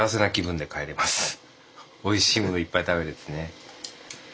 おいしいものいっぱい食べれてね。